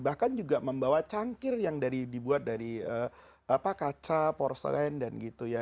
bahkan juga membawa cangkir yang dibuat dari kaca porselen dan gitu ya